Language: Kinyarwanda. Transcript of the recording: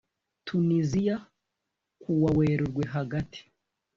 Tuniziya kuwa werurwe hagati